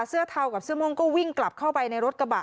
เทากับเสื้อม่วงก็วิ่งกลับเข้าไปในรถกระบะ